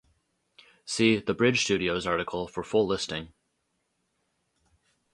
See The Bridge Studios article for full listing.